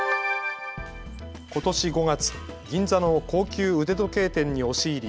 ことし５月、銀座の高級腕時計店に押し入り